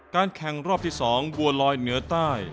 แข่งรอบที่๒บัวลอยเหนือใต้